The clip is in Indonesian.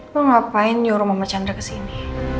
gue ngapain nyuruh mama chandra kesini